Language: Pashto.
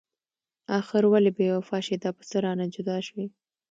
اخر ولې بې وفا شوي؟ دا په څه رانه جدا شوي؟